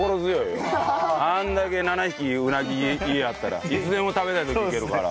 あれだけ７匹うなぎ家あったらいつでも食べたい時いけるから。